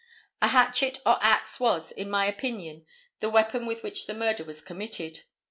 A hatchet or axe was, in my opinion, the weapon with which the murder was committed.